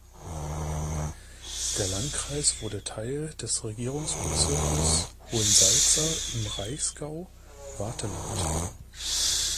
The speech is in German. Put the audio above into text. Der Landkreis wurde Teil des Regierungsbezirkes Hohensalza im Reichsgau Wartheland.